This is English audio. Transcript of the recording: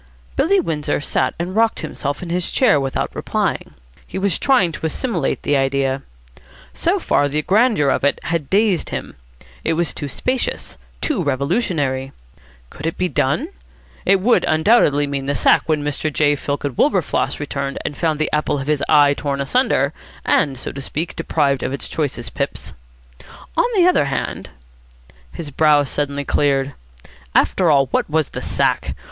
Billy Windsor sat and rocked himself in his chair without replying. He was trying to assimilate this idea. So far the grandeur of it had dazed him. It was too spacious, too revolutionary. Could it be done? It would undoubtedly mean the sack when Mr. J. Fillken Wilberfloss returned and found the apple of his eye torn asunder and, so to speak, deprived of its choicest pips. On the other hand ... His brow suddenly cleared. After all, what was the sack?